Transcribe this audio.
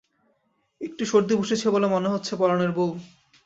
একটু সর্দি বসেছে বলে মনে হচ্ছে পরাণের বৌ।